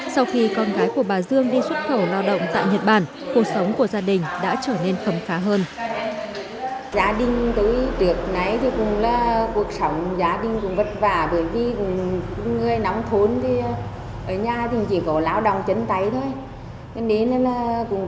sau khi con gái của bà dương đi xuất khẩu lao động tại nhật bản cuộc sống của gia đình đã trở nên khấm khá hơn